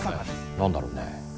何だろうね？